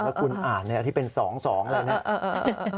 แล้วคุณอ่านที่เป็น๒เลยนะ